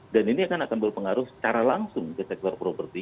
ini akan berpengaruh secara langsung ke sektor properti